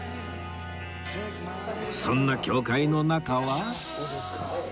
そんな教会の中は